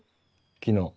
昨日。